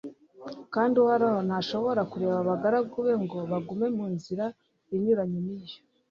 kandi uhoraho ntashobora kureka abagaragu be ngo bagume mu nzira inyuranye n'iyo